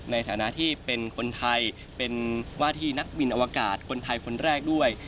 ในฐานะที่เป็นคนไทยเป็นว่าที่นักบินอวกาศคนไทยคนแรกด้วย